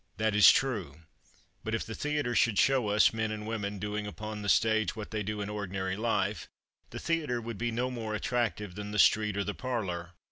That is true; but if the theatre should show us men and women doing upon the stage what they do in ordinary life, the theatre would be no more attractive than the street or the parlor.